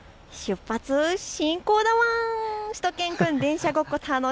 出発進行だワン。